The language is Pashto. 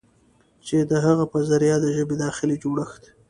چې د هغه په ذريعه د ژبې داخلي جوړښت